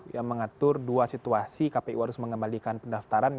yang mengatur dua situasi kpu harus mengembalikan pendaftaran